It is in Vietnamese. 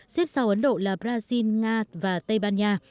xếp sau ấn độ là brazil nga và tây ban nha